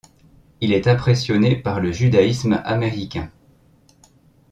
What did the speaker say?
Il est impressionné par le judaïsme américain.